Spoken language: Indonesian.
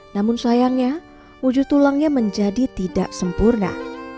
namun sayangnya wujud tulangnya menjadi tidak sempurna